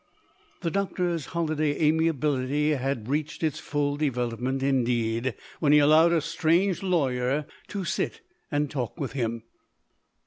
The doctor's holiday amiability had reached its full development indeed, when he allowed a strange lawyer to sit and talk with him!